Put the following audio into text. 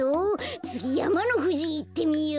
つぎやまのふじいってみよう。